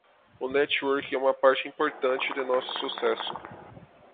O networking é uma parte importante de nosso sucesso.